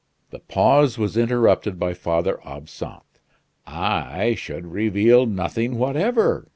The pause was interrupted by Father Absinthe. "I should reveal nothing whatever!"